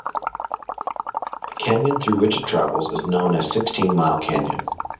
The canyon through which it travels is known as Sixteen Mile Canyon.